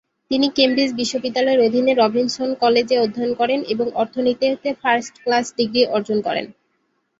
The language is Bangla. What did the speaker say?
তিনি কেমব্রিজ বিশ্ববিদ্যালয়ের অধীনে "রবিনসন কলেজে" অধ্যয়ন করেন এবং অর্থনীতিতে ফার্স্ট ক্লাস ডিগ্রী অর্জন করেন।